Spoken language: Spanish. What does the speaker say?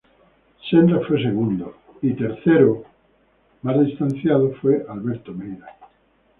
Senra fue segundo y tercero, más distanciado Alberto Meira.